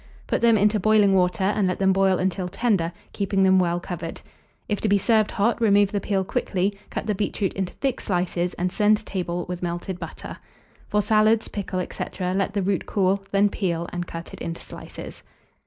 Put them into boiling water, and let them boil until tender, keeping them well covered. If to be served hot, remove the peel quickly, cut the beetroot into thick slices, and send to table melted butter. For salads, pickle, &c., let the root cool, then peel, and cut it into slices.